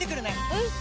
うん！